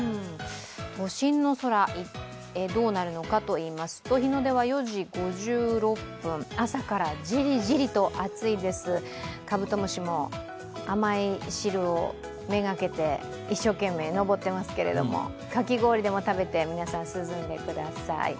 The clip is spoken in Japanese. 都心の空、どうなるのかといいますと日の出は４時５６分、朝からジリジリと暑いですカブトムシも甘い汁を目がけて一生懸命、登っていますけれども、かき氷でも食べて皆さん、涼んでください。